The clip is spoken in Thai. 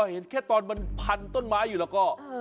เห็นแค่ตอนมันพันต้นไม้อยู่แล้วก็